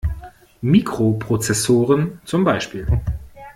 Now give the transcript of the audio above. Mikroprozessoren zum Beispiel.